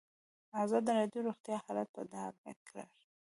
ازادي راډیو د روغتیا حالت په ډاګه کړی.